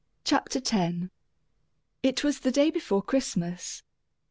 CHAPTER X It was the day before Christmas.